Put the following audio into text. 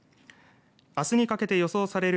あすにかけて予想される